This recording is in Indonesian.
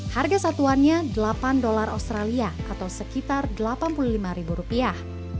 harga satuannya delapan dolar australia atau sekitar delapan puluh lima ribu rupiah